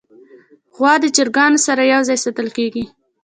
غوا د چرګانو سره یو ځای ساتل کېږي.